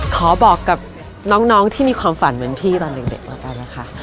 ขอบอกกับน้องที่มีความฝันเหมือนพี่ตอนเด็กแล้วกันนะคะ